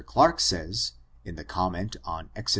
Clarke says, in his conunent on Exod.